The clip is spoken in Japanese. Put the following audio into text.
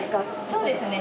そうですね。